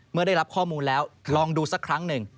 เมื่อได้รับข้อมูลแล้วลองดูสักครั้งหนึ่ง